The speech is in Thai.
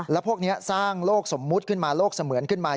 แล้วพวกนี้สร้างโลกสมมุติขึ้นมาโลกเสมือนขึ้นมา